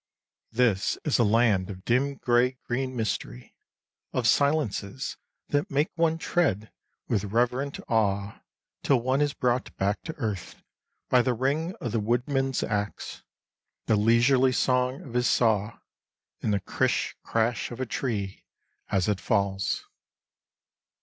This is a land of dim grey green mystery, of silences that make one tread with reverent awe till one is brought back to earth, by the ring of the woodman's axe, the leisurely song of his saw, and the crish crash of a tree as it falls.